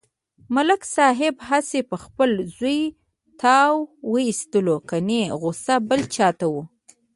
ملک صاحب هسې په خپل زوی تاو و ایستلو کني غوسه بل چاته و.